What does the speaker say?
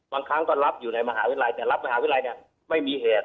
บางครั้งก็รับอยู่ในมหาวิทยาลัยแต่รับมหาวิทยาลัยเนี่ยไม่มีเหตุ